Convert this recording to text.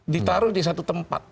ditaruh di satu tempat